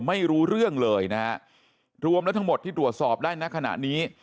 ไม่รู้เรื่องเลยนะฮะรวมแล้วทั้งหมดที่ตรวจสอบได้ณขณะนี้